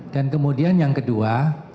dan kemudian yang kedua